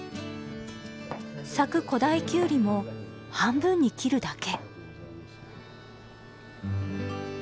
佐久古太きゅうりも半分に切るだけ。